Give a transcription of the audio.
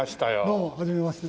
どうもはじめまして。